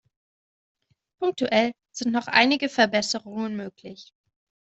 Punktuell sind noch einige Verbesserungen möglich.